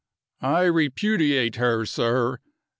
"I repudiate her, sir!